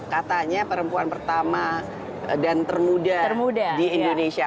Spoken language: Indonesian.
katanya perempuan pertama dan termuda di indonesia